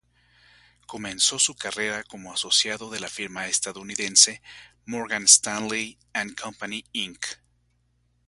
Comenzó su carrera como asociado de la firma estadounidense Morgan Stanley and Company Inc.